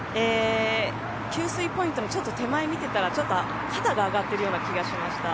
給水ポイントのちょっと手前見てたらちょっと肩が上がってるような気がしました。